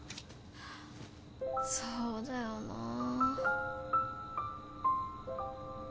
そうだよなあ。